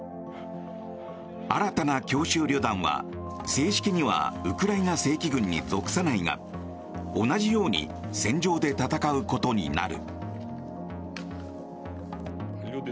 新たな強襲旅団は、正式にはウクライナ正規軍に属さないが同じように戦場で戦うことになる。